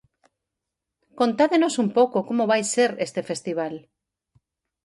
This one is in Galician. Contádenos un pouco como vai ser este festival.